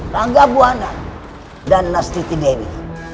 rangga buwana dan nastiti dewi